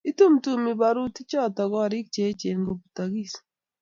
itumtumi barutichoto korik che echen kobutokis